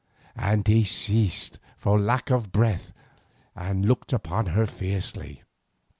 And he ceased for lack of breath, and looked upon her fiercely.